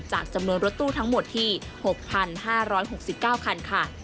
จำนวนรถตู้ทั้งหมดที่๖๕๖๙คันค่ะ